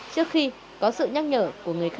trước khi có sự nhắc nhở của người khác